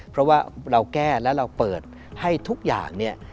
เพราะว่าเราแก้แล้วเราเปิดให้ทุกอย่างเนี่ย